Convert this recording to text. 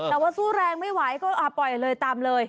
แต่ว่าสู้แรงไม่ไหวก็ปล่อยเลยตามเลย